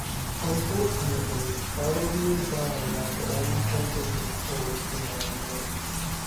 Unfortunately Bellavere died after only holding this post for nine months.